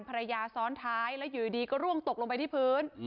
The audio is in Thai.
ระยะซ้อนท้ายแล้วอยู่ดีก็ร่วงตกลงไปที่พื้น